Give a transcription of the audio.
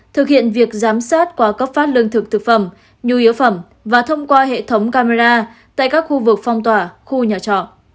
thực hiện việc giám sát qua cấp phát lương thực thực phẩm nhu yếu phẩm và thông qua hệ thống camera tại các khu vực phong tỏa khu nhà trọ